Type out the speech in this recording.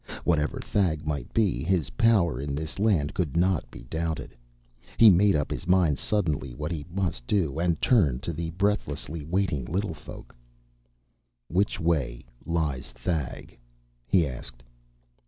Whatever Thag might be, his power in this land could not be doubted. He made up his mind suddenly what he must do, and turned to the breathlessly waiting little folk. "Which way lies Thag?" he asked.